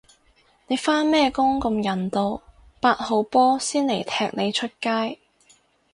你返咩工咁人道，八號波先嚟踢你出街